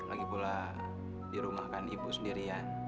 lagipula dirumahkan ibu sendirian